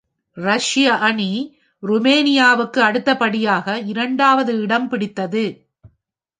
ரஷ்ய அணி, ருமேனியாவுக்கு அடுத்தபடியாக இரண்டாவது இடம் பிடித்தது.